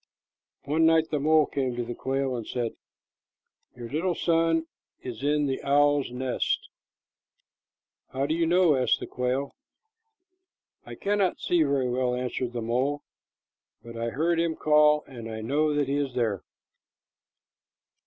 One night the mole came to the quail and said, "Your little son is in the owl's nest." "How do you know?" asked the quail. "I cannot see very well," answered the mole, "but I heard him call, and I know that he is there."